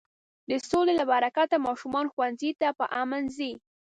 د سولې له برکته ماشومان ښوونځي ته په امن ځي.